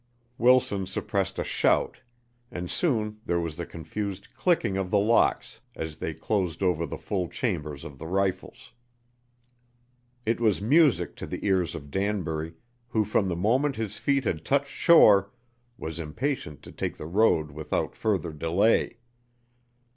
Wilson suppressed a shout, and soon there was the confused clicking of the locks as they closed over the full chambers of the rifles. It was music to the ears of Danbury, who from the moment his feet had touched shore was impatient to take the road without further delay.